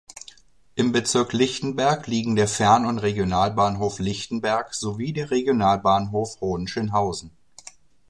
Im Bezirk Lichtenberg liegen der Fern- und Regionalbahnhof Lichtenberg sowie der Regionalbahnhof Hohenschönhausen.